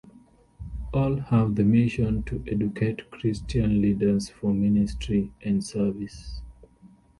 All have the mission to educate Christian leaders for ministry and service.